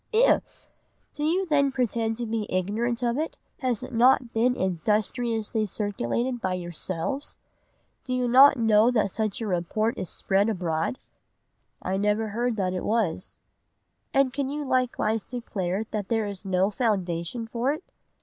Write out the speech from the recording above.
"'If! Do you then pretend to be ignorant of it? Has it not been industriously circulated by yourselves? Do you not know that such a report is spread abroad?' "'I never heard that it was.' "'And can you likewise declare there is no foundation for it?